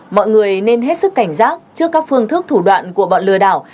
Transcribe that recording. mọi người nên hết sức cảnh giác trước các phương thức thủ đoạn của bọn lừa đảo